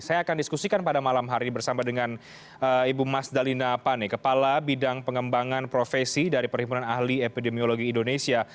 saya akan diskusikan pada malam hari bersama dengan ibu mas dalina pane kepala bidang pengembangan profesi dari perhimpunan ahli epidemiologi indonesia